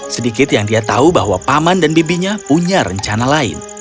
sedikit yang dia tahu bahwa paman dan bibinya punya rencana lain